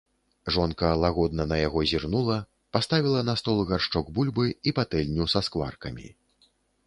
Жонка лагодна на яго зірнула, паставіла на стол гаршчок бульбы і патэльню са скваркамі.